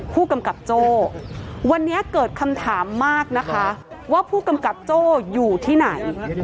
ผู้กำกับโจ้วันนี้เกิดคำถามมากนะคะว่าผู้กำกับโจ้อยู่ที่ไหน